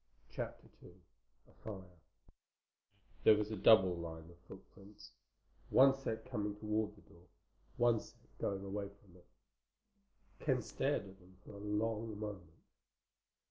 CHAPTER II A FIRE There was a double line of the footprints—one set coming toward the door, one set going away from it. Ken stared at them for a long moment.